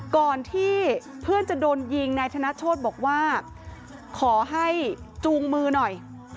ก่อนที่เพื่อนจะโดนยิงนายธนโชธบอกว่าขอให้จูงมือหน่อย